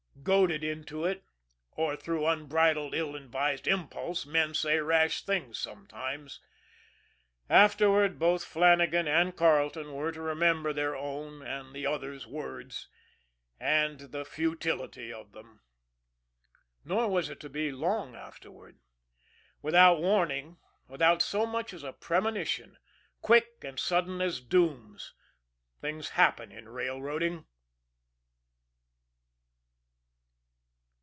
Goaded into it, or through unbridled, ill advised impulse, men say rash things sometimes afterward, both Flannagan and Carleton were to remember their own and the other's words and the futility of them. Nor was it to be long afterward without warning, without so much as a premonition, quick and sudden as doom, things happen in railroading.